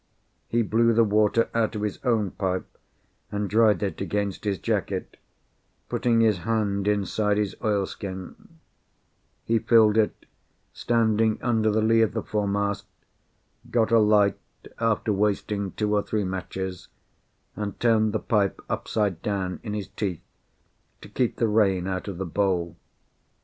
He blew the water out of his own pipe, and dried it against his jacket, putting his hand inside his oilskin; he filled it, standing under the lee of the foremast, got a light after wasting two or three matches, and turned the pipe upside down in his teeth, to keep the rain out of the bowl.